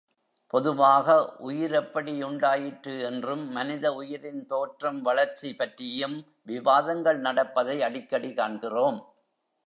பொதுவாக உயிர் எப்படி உண்டாயிற்று என்றும், மனித உயிரின் தோற்றம், வளர்ச்சி பற்றியும் விவாதங்கள் நடப்பதை அடிக்கடி காண்கிறோம்.